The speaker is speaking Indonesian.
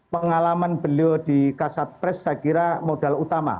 pengalaman beliau di kasat pres saya kira modal utama